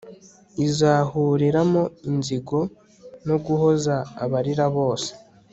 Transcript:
izahoreramo inzigo no guhoza abarira bose